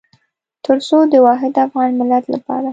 تر څو د واحد افغان ملت لپاره.